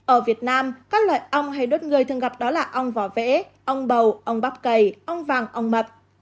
ở việt nam các loại ong hay đốt người thường gặp đó là ong vỏ vẽ ong bầu ong bắp cày ong vàng ong mập